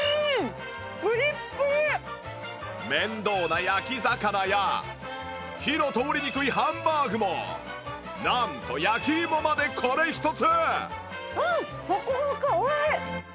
面倒な焼き魚や火の通りにくいハンバーグもなんと焼き芋までこれ一つ！